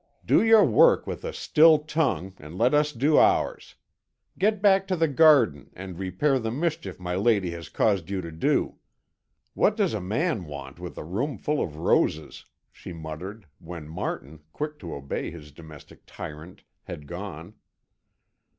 "Do your work with a still tongue, and let us do ours. Get back to the garden, and repair the mischief my lady has caused you to do. What does a man want with a room full of roses?" she muttered, when Martin, quick to obey his domestic tyrant, had gone.